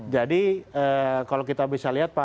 jadi kalau kita bisa lihat pak